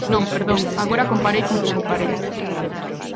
Non, perdón, agora comparei con quen comparei.